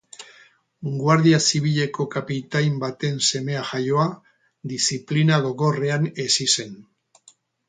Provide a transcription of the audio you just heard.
Guardia Zibileko kapitain baten seme jaioa, diziplina gogorrean hezi zen.